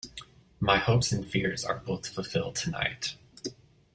My hopes and fears are both fulfilled tonight.